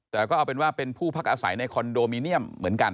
แต่ก็เอาเป็นว่าเป็นผู้พักอาศัยในคอนโดมิเนียมเหมือนกัน